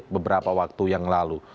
beberapa waktu yang lalu